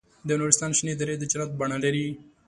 د نورستان شنې درې د جنت بڼه لري.